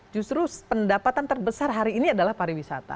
justru pendapatan terbesar hari ini adalah pariwisata